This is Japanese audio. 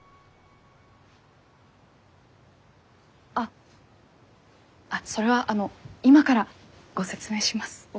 あっあっそれはあの今からご説明します。